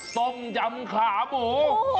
ต้มยำขาหมู